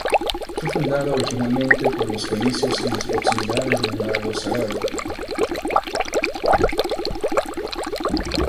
Fue fundada originalmente por los fenicios en las proximidades de un lago salado.